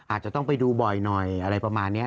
อาจจะต้องไปดูบ่อยหน่อยอะไรประมาณนี้